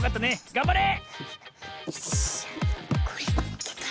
がんばれ！